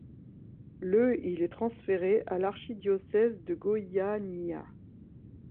Le il est transféré à l'archidiocèse de Goiânia.